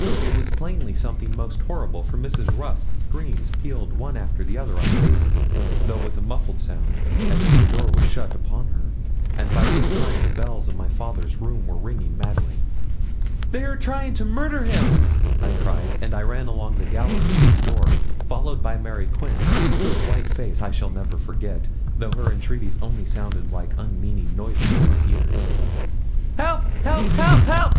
It was plainly something most horrible, for Mrs. Rusk's screams pealed one after the other unabated, though with a muffled sound, as if the door was shut upon her; and by this time the bells of my father's room were ringing madly. 'They are trying to murder him!' I cried, and I ran along the gallery to his door, followed by Mary Quince, whose white face I shall never forget, though her entreaties only sounded like unmeaning noises in my ears. 'Here! help, help, help!'